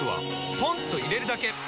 ポンと入れるだけ！